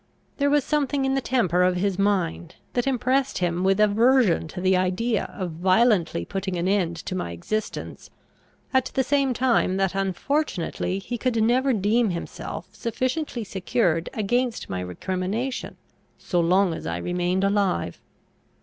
There was something in the temper of his mind, that impressed him with aversion to the idea of violently putting an end to my existence; at the same time that unfortunately he could never deem himself sufficiently secured against my recrimination, so long as I remained alive.